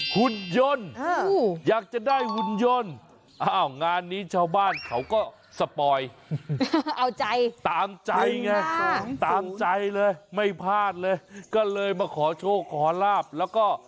หุ่นยนต์อยากจะได้หุ่นยนต์อ้าวงานนี้ชาวบ้านเขาก็สปอยเอาใจตามใจไงตามใจเลยไม่พลาดเลยก็เลยมาขอโชคขอลาบแล้วก็